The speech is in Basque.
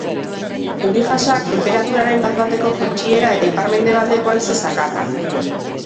Euri-jasak, tenperaturaren bat-bateko jaitsiera eta ipar-mendebaldeko haize zakarra.